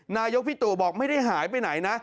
นายกพี่ตู่บอกไม่ได้หายไปไหนนะ